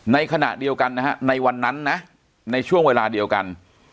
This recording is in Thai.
ในขณะเดียวกันนะฮะในวันนั้นนะในช่วงเวลาเดียวกัน